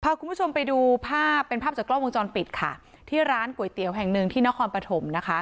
พาคุณผู้ชมไปดูภาพเป็นภาพจากกล้องวงจรปิดค่ะที่ร้านก๋วยเตี๋ยวแห่งหนึ่งที่นครปฐมนะคะ